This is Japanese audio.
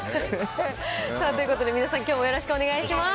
さあ、ということで、皆さん、きょうもよろしくお願いします。